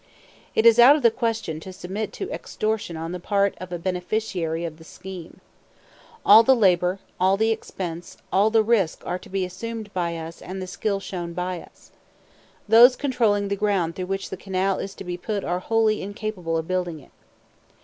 It is out of the question to submit to extortion on the part of a beneficiary of the scheme. All the labor, all the expense, all the risk are to be assumed by us and all the skill shown by us. Those controlling the ground through which the canal is to be put are wholly incapable of building it.